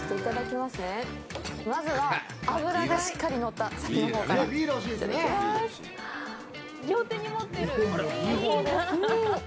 まずは、脂がしっかり乗った先のほうから、いただきます。